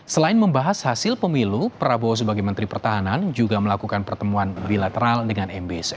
selain membahas hasil pemilu prabowo sebagai menteri pertahanan juga melakukan pertemuan bilateral dengan mbc